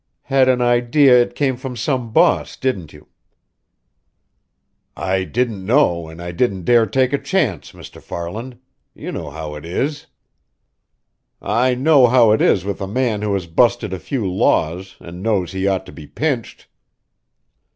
"Had an idea it came from some boss, didn't you?" "I didn't know and I didn't dare take a chance, Mr. Farland. You know how it is?" "I know how it is with a man who has busted a few laws and knows he ought to be pinched!"